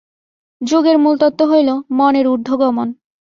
যোগের মূলতত্ত্ব হইল, মনের ঊর্ধ্বে গমন।